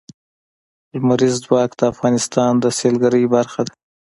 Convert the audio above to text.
لمریز ځواک د افغانستان د سیلګرۍ برخه ده.